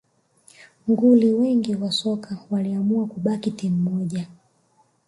Nguli wengi wa soka waliamua kubaki timu moja